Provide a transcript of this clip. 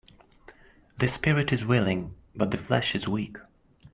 The spirit is willing but the flesh is weak.